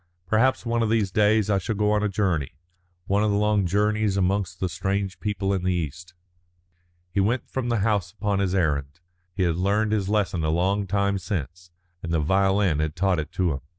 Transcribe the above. Perhaps one of these days I shall go on a journey, one of the long journeys amongst the strange people in the East." He went from the house upon his errand. He had learned his lesson a long time since, and the violin had taught it him.